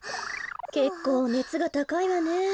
けっこうねつがたかいわね。